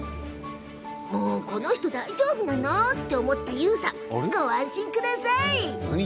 この人大丈夫なの？って思ったＹＯＵさん、ご安心ください。